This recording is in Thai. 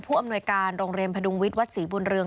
อำนวยการโรงเรียนพดุงวิทย์วัดศรีบุญเรือง